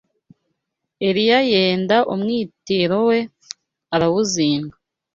Eliya yenda umwitero we, arawuzinga